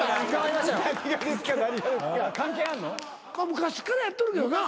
昔っからやっとるけどな。